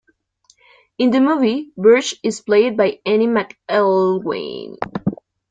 In the movie, Burge is played by Annie McElwain.